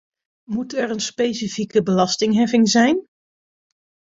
Moet er een specifieke belastingheffing zijn?